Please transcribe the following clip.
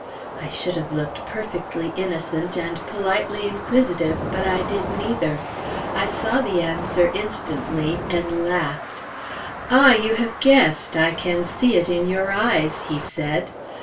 I should have looked perfectly innocent, and politely inquisitive; but I did neither. I saw the answer instantly, and laughed. "Ah, you have guessed! I can see it in your eyes!" he said.